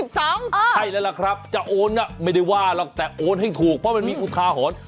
ใช่แล้วล่ะครับจะโอนไม่ได้ว่าหรอกแต่โอนให้ถูกเพราะมันมีอุทาหรณ์